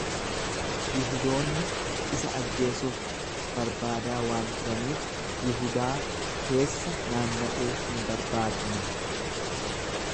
Yihudoonni isa ajjeesuuf barbaadaa waan turaniif, Yihudaa keessa naanna’uu hin barbaadne.